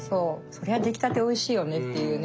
そりゃ出来たておいしいよねっていうね。